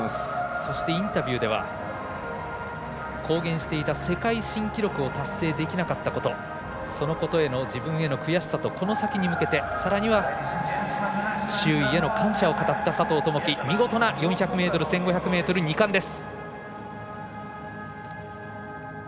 そしてインタビューでは公言していた世界新記録を達成できなかったことそのことへの自分への悔しさとこの先に向けてさらには、周囲への感謝を語った佐藤友祈、見事な ４００ｍ１５００ｍ２ 冠です。